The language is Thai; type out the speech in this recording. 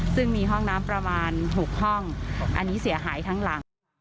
ซึ่งมีห้องน้ำประมาณ๖ห้องอันนี้เสียหายทั้งหลัง